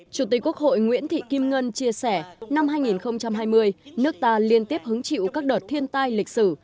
chủ tịch quốc hội nguyễn thị kim ngân chia sẻ năm hai nghìn hai mươi nước ta liên tiếp hứng chịu các đợt thiên tai lịch sử